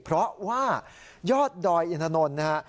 เพราะว่ายอดดอยอินทนนท์นะฮะ